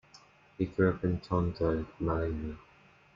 He grew up in Tondo, Manila.